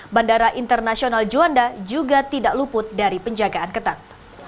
bandara internasional juanda juga tidak luput dari penjagaan ketat